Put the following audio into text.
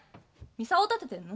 操を立ててんの？